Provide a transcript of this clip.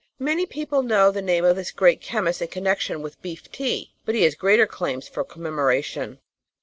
Many people know the name of this great chemist in connection with beef tea, but he has greater claims for commemoration.